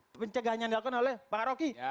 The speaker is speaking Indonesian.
penyadapan pencegahannya dilakukan oleh pak rocky